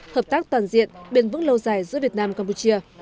hợp tác toàn diện biên vững lâu dài giữa việt nam campuchia